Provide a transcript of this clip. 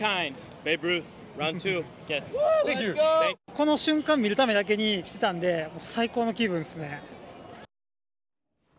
この瞬間、見るためだけに来たんで、最高の気分っすね。